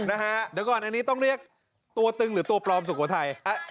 นะฮะเดี๋ยวก่อนอันนี้ต้องเรียกตัวตึงหรือตัวปลอมสุโขทัย